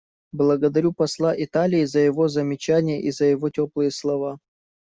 Благодарю посла Италии за его замечания и за его теплые слова.